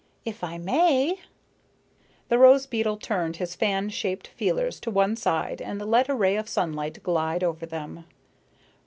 "If I may." The rose beetle turned his fan shaped feelers to one side and let a ray of sunlight glide over them.